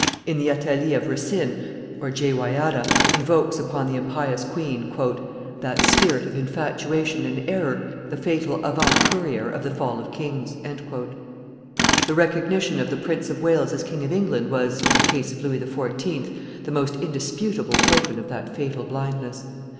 In the Athalie of Racine, Joad (Jehoiada) invokes upon the impious queen: "That spirit of infatuation and error The fatal avant courier of the fall of kings." The recognition of the Prince of Wales as King of England was, in the case of Louis XIV., the most indisputable token of that fatal blindness.